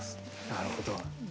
なるほど。